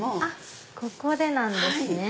ここでなんですね。